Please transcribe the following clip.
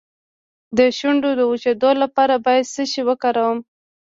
د شونډو د وچیدو لپاره باید څه شی وکاروم؟